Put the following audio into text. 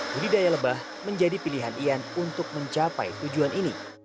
budidaya lebah menjadi pilihan ian untuk mencapai tujuan ini